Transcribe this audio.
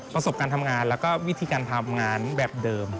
ประสบการณ์ทำงานแล้วก็วิธีการทำงานแบบเดิม